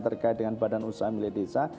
terkait dengan badan usaha milik desa